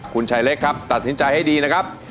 คุณชายเล็กครับตัดสินใจให้ดีนะครับ